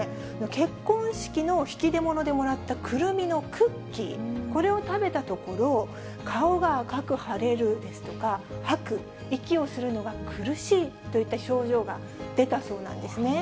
結婚式の引き出物でもらったくるみのクッキー、これを食べたところ、顔が赤く腫れるですとか、吐く、息をするのが苦しいといった症状が出たそうなんですね。